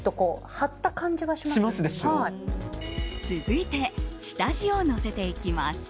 続いて、下地をのせていきます。